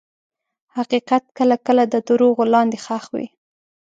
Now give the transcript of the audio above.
حقیقت کله کله د دروغو لاندې ښخ وي.